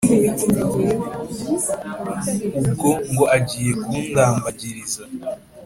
ubwo ngo agiye ku kundambagiriza